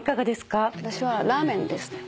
私はラーメンですね。